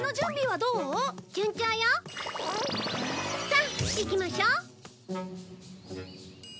さあ行きましょう。